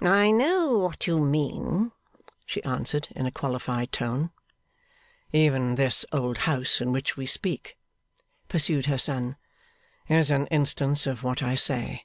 'I know what you mean,' she answered, in a qualified tone. 'Even this old house in which we speak,' pursued her son, 'is an instance of what I say.